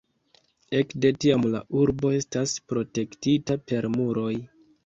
Ekde tiam la urbo estas protektita per muroj.